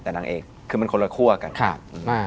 แต่นางเอกคือมันคนละครัวกันค่ะมาก